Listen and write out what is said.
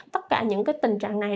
tất cả những tình trạng này